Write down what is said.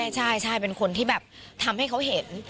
ใช่เป็นคนที่แบบทำให้เขาเห็น